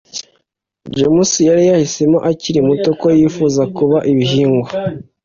james yari yahisemo akiri muto ko yifuza kuba ibihingwa